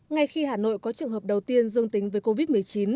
ngay khi hà nội có trường hợp đầu tiên dương tính với covid một mươi chín